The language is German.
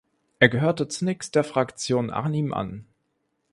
Er gehörte zunächst der Fraktion Arnim an.